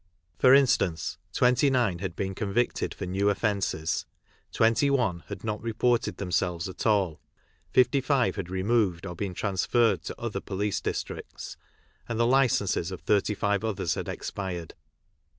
For instance, 29 had been convicted for new offences ; 21 had not reported themselves at all; 55 had removed or been transferred to other police districts; and the licences of 3d others had expired.